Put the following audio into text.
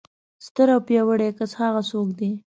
ستر او پیاوړي کسان هغه څوک دي.